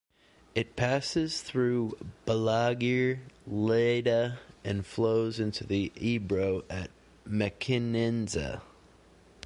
It passes through Balaguer, Lleida and flows into the Ebro at Mequinenza.